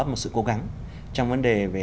một sự cố gắng trong vấn đề về